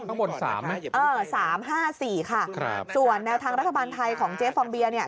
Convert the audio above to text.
ข้างบน๓ไหมอย่าพูดไว้ค่ะส่วนแนวทางรัฐบาลไทยของเจ๊ฟองเบียร์เนี่ย